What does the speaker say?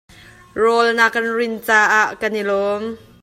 Rawl na kan rin caah kan i lawm.